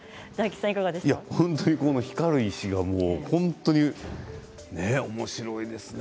本当に、この光る石がおもしろいですね。